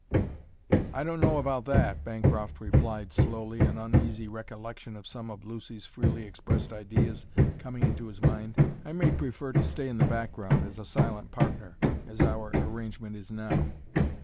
"I don't know about that," Bancroft replied slowly, an uneasy recollection of some of Lucy's freely expressed ideas coming into his mind. "I may prefer to stay in the background, as a silent partner, as our arrangement is now."